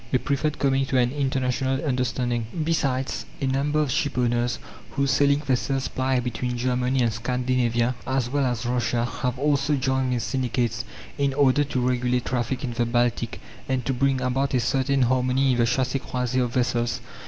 They preferred coming to an international understanding. Besides, a number of shipowners, whose sailing vessels ply between Germany and Scandinavia, as well as Russia, have also joined these syndicates, in order to regulate traffic in the Baltic, and to bring about a certain harmony in the chassé croisé of vessels.